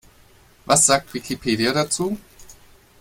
Was sagt Wikipedia dazu?